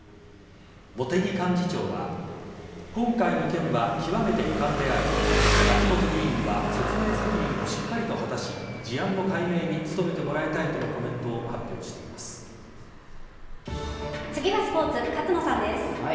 茂木幹事長は今回の件は極めて遺憾であり秋本議員は説明責任をしっかりと果たし事案の解明に努めてもらいたいとのコメントを次はスポーツ、勝野さんです。